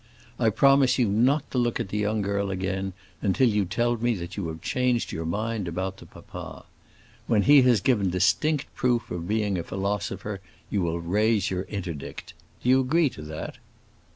I promise you not to look at the young girl again until you tell me that you have changed your mind about the papa. When he has given distinct proof of being a philosopher, you will raise your interdict. Do you agree to that?"